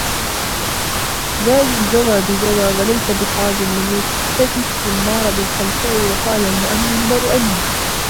دَاوِي جَوًى بِجَوًى وَلَيْسَ بِحَازِمٍ مَنْ يَسْتَكِفُّ النَّارَ بِالْحَلْفَاءِ وَقَالَ الْمُؤَمَّلُ بْنُ أُمَيْلٍ